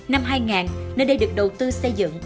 năm hai nghìn nơi đây được đầu tư xây dựng